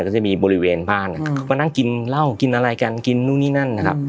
ก็จะมีบริเวณบ้านเขาก็นั่งกินเหล้ากินอะไรกันกินนู่นนี่นั่นนะครับ